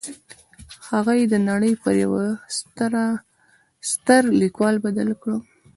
هغه يې د نړۍ پر يوه ستر ليکوال بدل کړ.